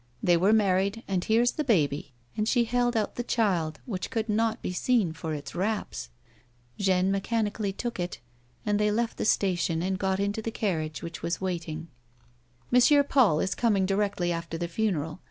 They were married and here's the baby," and she held out the child which could not be seen for its wraps. Jeanne me chanically took it, and they left the station and got into the carriage which was waiting " M. Paul is coming directly after the funeral.